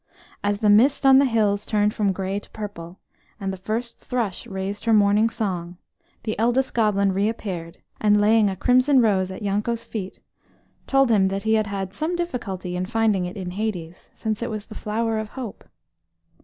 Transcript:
As the mist on the hills turned from grey to purple, and the first thrush raised her morning song, the eldest goblin reappeared, and, laying a crimson rose at Yanko's feet, told him that he had had some difficulty in finding it in Hades, since it was the flower of Hope.